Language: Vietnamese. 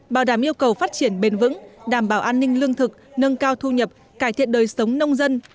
bảo đảm yêu cầu phát triển bền vững đảm bảo an ninh lương thực nâng cao thu nhập cải thiện đời sống nông dân